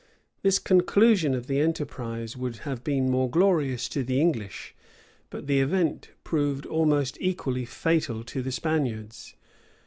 This conclusion of the enterprise would have been more glorious to the English; but the event proved almost equally fatal to the Spaniards.